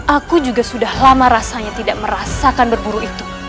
aku juga sudah lama rasanya tidak merasakan berburu itu